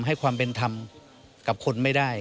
ให้ความเป็นธรรมกับคนไม่ได้